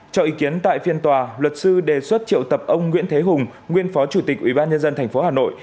cho ý kiến tại phiên tòa luật sư đề xuất triệu tập ông nguyễn thế hùng nguyên phó chủ tịch ubnd tp hà nội